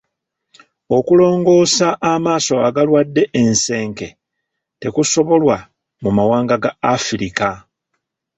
Okulongoosa amaaso agalwadde ensenke tekusobolwa mu mawanga ga Afirika.